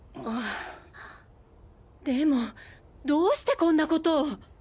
でもどうしてこんなことを。